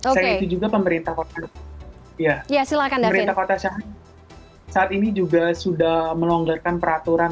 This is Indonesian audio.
saya yakin juga pemerintah kota shanghai saat ini juga sudah melonggarkan peraturan